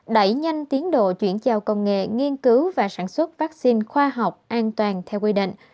đẩy nhanh tiến độ chuyển giao công nghệ nghiên cứu và sản xuất vaccine khoa học an toàn theo quy định